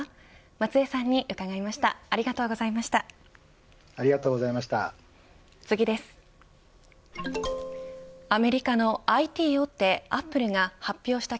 松江さんに伺いました。